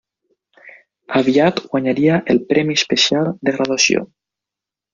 Aviat guanyaria el Premi Especial de Graduació.